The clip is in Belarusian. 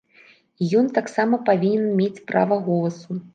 І ён таксама павінен мець права голасу.